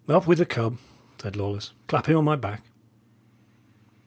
"Up with the cub," said Lawless. "Clap him on my back."